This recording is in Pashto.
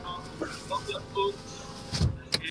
پر حلال حرام یې مه کېږه راوړه یې